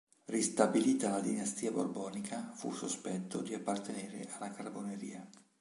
Ristabilita la dinastia borbonica, fu sospetto di appartenere alla Carboneria.